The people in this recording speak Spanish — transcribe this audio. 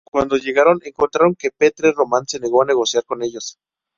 Cuando llegaron, encontraron que Petre Roman se negó a negociar con ellos.